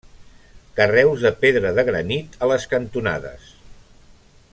Carreus de pedra de granit a les cantonades.